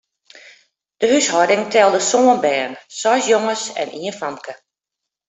De húshâlding telde sân bern, seis jonges en ien famke.